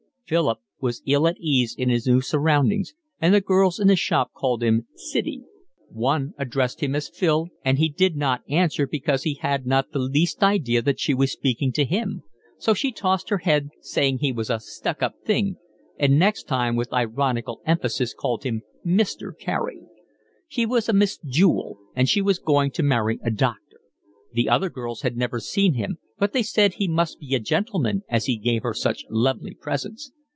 Philip was ill at ease in his new surroundings, and the girls in the shop called him 'sidey.' One addressed him as Phil, and he did not answer because he had not the least idea that she was speaking to him; so she tossed her head, saying he was a 'stuck up thing,' and next time with ironical emphasis called him Mister Carey. She was a Miss Jewell, and she was going to marry a doctor. The other girls had never seen him, but they said he must be a gentleman as he gave her such lovely presents.